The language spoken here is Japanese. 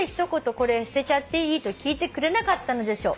『これ捨てちゃっていい？』と聞いてくれなかったのでしょう。